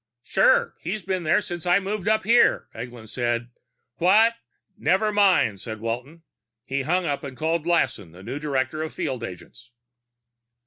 "Sure. He's been there since I moved up here," Eglin said. "What " "Never mind," said Walton. He hung up and called Lassen, the new director of field agents.